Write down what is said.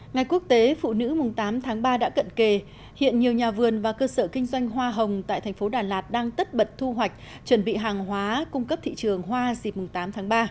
ngày quốc tế phụ nữ mùng tám tháng ba đã cận kề hiện nhiều nhà vườn và cơ sở kinh doanh hoa hồng tại thành phố đà lạt đang tất bật thu hoạch chuẩn bị hàng hóa cung cấp thị trường hoa dịp tám tháng ba